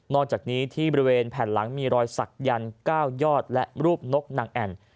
จากนี้ที่บริเวณแผ่นหลังมีรอยสักยันต์๙ยอดและรูปนกนางแอ่น